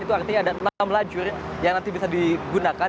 itu artinya ada enam lajur yang nanti bisa digunakan